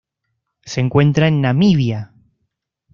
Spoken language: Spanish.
Se encuentra en Namibia.